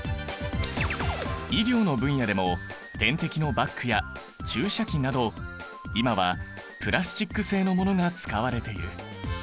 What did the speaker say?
医療の分野でも点滴のバッグや注射器など今はプラスチック製のものが使われている。